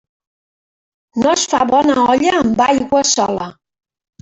No es fa bona olla amb aigua sola.